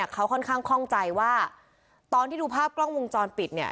เขาค่อนข้างคล่องใจว่าตอนที่ดูภาพกล้องวงจรปิดเนี่ย